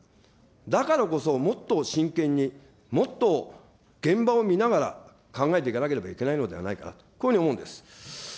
だからこそ、もっと真剣に、もっと現場を見ながら考えていかなければいけないのではないかなと、こういうふうに思うんです。